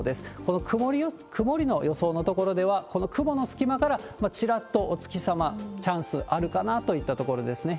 この曇りの予想の所では、この雲の隙間から、ちらっとお月様、チャンスあるかなといったところですね。